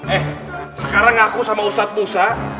eh sekarang aku sama ustadz busa